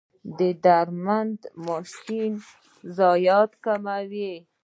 د درمند ماشین ضایعات کموي؟